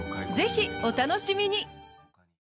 ぜひお楽しみに！